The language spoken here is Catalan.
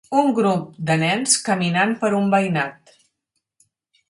Un grup de nens caminant per un veïnat.